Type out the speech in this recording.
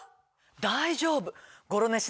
大丈夫。